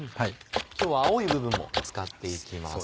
今日は青い部分も使って行きます。